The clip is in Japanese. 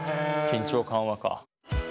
緊張緩和か。